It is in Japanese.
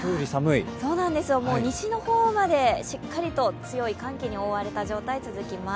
西のほうまでしっかりと強い寒気に覆われた状態が続きます。